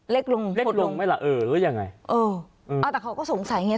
เล็กลงเล็กลงไหมล่ะเออหรือยังไงเออเอาแต่เขาก็สงสัยไง